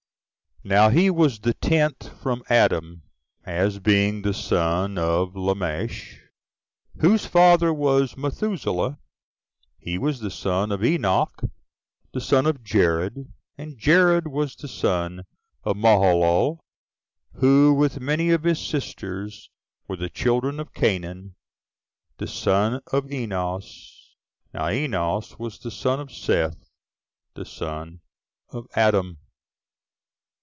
Now he was the tenth from Adam, as being the son of Lamech, whose father was Mathusela; he was the son of Enoch, the son of Jared; and Jared was the son of Malaleel, who, with many of his sisters, were the children of Cainan, the son of Enos. Now Enos was the son of Seth, the son of Adam.